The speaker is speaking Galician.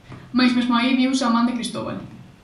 Mais mesmo aí viuse a man de Cristóbal.